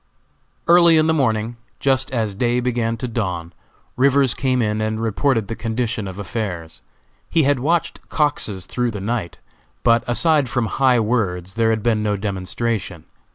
Early in the morning, just as day began to dawn, Rivers came in and reported the condition of affairs. He had watched Cox's through the night, but aside from high words there had been no demonstration.